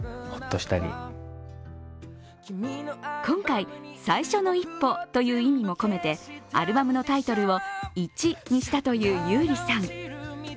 今回、最初の一歩という意味も込めてアルバムのタイトルを「壱」にしたという優里さん。